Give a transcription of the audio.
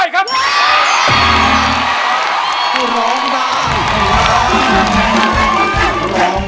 คุณต้องร้อง